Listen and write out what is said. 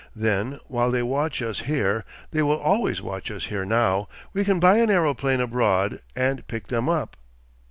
Then while they watch us here—they will always watch us here now—we can buy an aeroplane abroad, and pick them up....